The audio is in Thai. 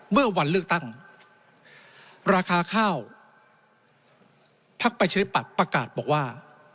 เมื่อวันเลือกตั้งราคาข้าวพักประชาธิปัตย์ประกาศบอกว่า